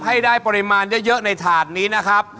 ให้ได้ปริมาณเยอะในถาดนี้นะครับ